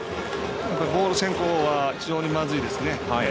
ボール先行は非常にまずいですね。